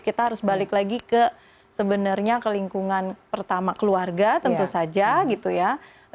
kita harus balik lagi ke sebenarnya ke lingkungan pertama keluarga tentu saja gitu ya